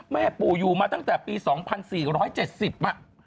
แม่ปู่อยู่มาตั้งแต่ปี๒๔๗๐อ่ะ